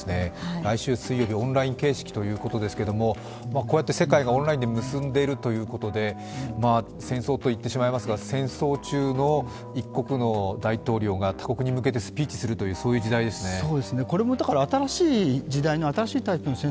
来週水曜日オンライン形式ということですけれども、こうやって世界がオンラインで結んでいるということで戦争と言ってしまいますが、戦争中の一国の大統領が他国に向けてスピーチするという時代ですね。